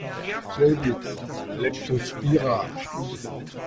Selbitz: "Leptospira".